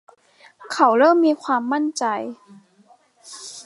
เขาเริ่มมีความมั่นใจ